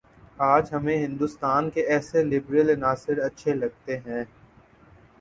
آج ہمیں ہندوستان کے ایسے لبرل عناصر اچھے لگتے ہیں